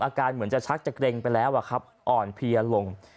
อาการเหมือนจะชักจะเกรงไปแล้วอะครับอ่อนเพียลง